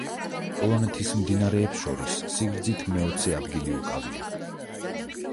პოლონეთის მდინარეებს შორის სიგრძით მეოცე ადგილი უკავია.